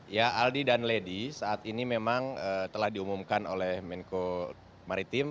ya aldi dan lady saat ini memang telah diumumkan oleh menko maritim